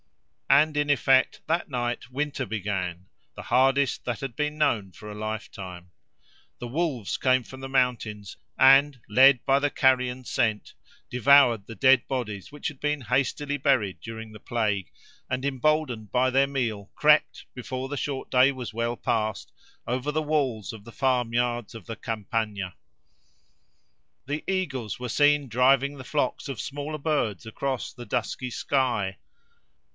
And, in effect, that night winter began, the hardest that had been known for a lifetime. The wolves came from the mountains; and, led by the carrion scent, devoured the dead bodies which had been hastily buried during the plague, and, emboldened by their meal, crept, before the short day was well past, over the walls of the farmyards of the Campagna. The eagles were seen driving the flocks of smaller birds across the dusky sky.